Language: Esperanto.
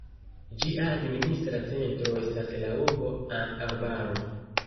Ĝia administra centro estas la urbo An-Arbaro.